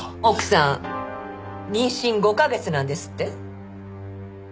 奥さん妊娠５カ月なんですって？